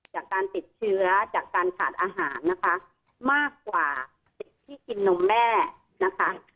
จากการติดเชื้อจากการขาดอาหารนะคะมากกว่าสิทธิ์ที่กินนมแม่นะคะ